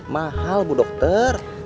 mahal bu dokter